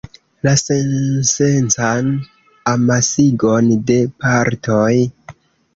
La sensencan amasigon de partoj.